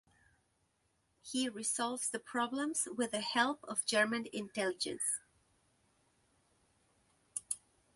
He resolves the problems with the help of German intelligence.